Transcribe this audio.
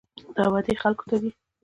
دا وعدې خلکو ته دي.